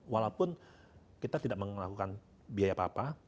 walaupun kita tidak melakukan biaya apa apa